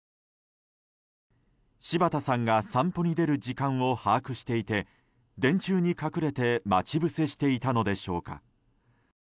柴田さんが散歩に出る時間を把握していて電柱に隠れて待ち伏せしていたのでしょうか。